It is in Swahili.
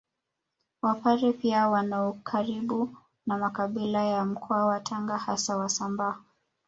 Wapare pia wana ukaribu na makabila ya Mkoa wa Tanga hasa Wasambaa